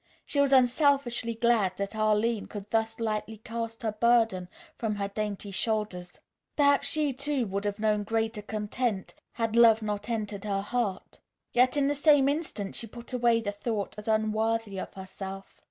She was unselfishly glad that Arline could thus lightly cast her burden from her dainty shoulders. Perhaps she, too, would have known greater content, had love not entered her heart. Yet in the same instant she put away the thought as unworthy of herself.